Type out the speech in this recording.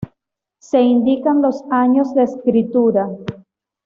Se indican los años de escritura.